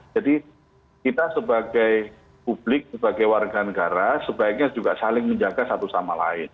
jadi kita sebagai publik sebagai warga negara sebaiknya juga saling menjaga satu sama lain